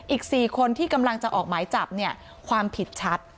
อีก๔คนที่กำลังจะออกหมายจับเนี่ยความผิดชัด